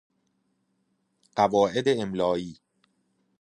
قواعد املائی